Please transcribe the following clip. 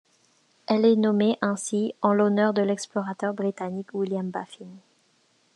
Elle est nommée ainsi en l'honneur de l'explorateur britannique William Baffin.